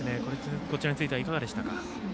こちらについてはいかがでしたか？